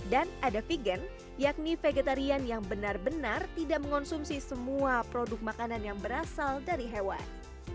dan ada vegan yakni vegetarian yang benar benar tidak mengonsumsi semua produk makanan yang berasal dari hewan